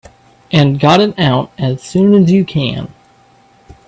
And got it out as soon as you can.